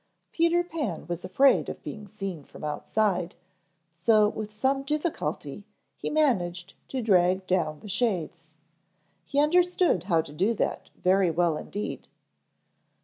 Peter Pan was afraid of being seen from outside, so with some difficulty he managed to drag down the shades. He understood how to do that very well indeed.